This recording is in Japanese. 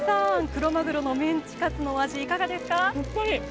クロマグロのメンチカツのお味いかがですか？